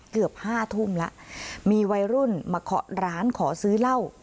เกือบห้าทุ่มละมีวัยรุ่นมาขอร้านขอซื้อเล่า